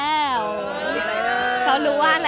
มันเป็นปัญหาจัดการอะไรครับ